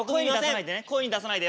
声には出さないで。